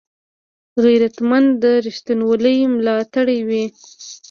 غیرتمند د رښتینولۍ ملاتړی وي